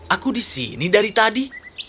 aku di sini dari tadi